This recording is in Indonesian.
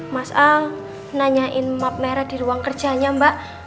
mas al nanyain map merah di ruang kerjanya mba